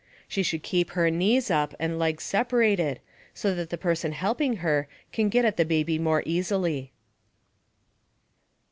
She should keep her knees up and legs separated so that the person helping her can get at the baby more easily.